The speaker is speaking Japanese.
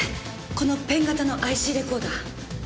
このペン型のＩＣレコーダー。